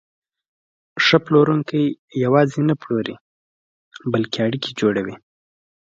ښه پلورونکی یوازې نه پلوري، اړیکې جوړوي.